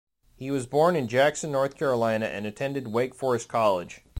He was born in Jackson, North Carolina and attended Wake Forest College.